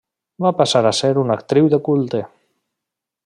Va passar a ser una actriu de culte.